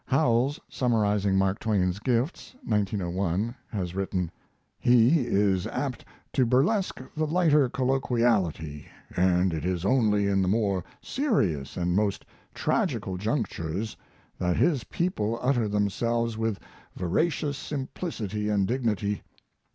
Howells, summarizing Mark Twain's gifts (1901), has written: He is apt to burlesque the lighter colloquiality, and it is only in the more serious and most tragical junctures that his people utter themselves with veracious simplicity and dignity.